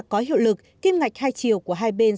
có hiệu lực kim ngạch hai triệu của hai bên